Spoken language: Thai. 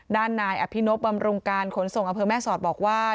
ด้านนายอภินบำรุงการขนส่งอำเภอแม่สอดบอกว่า